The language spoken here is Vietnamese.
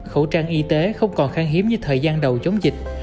khẩu trang y tế không còn khang hiếm như thời gian đầu chống dịch